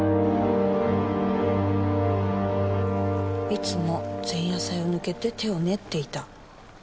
いつも前夜祭を抜けて手を練っていた。